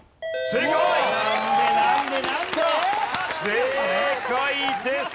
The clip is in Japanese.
正解です！